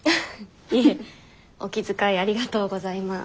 いえお気遣いありがとうございます。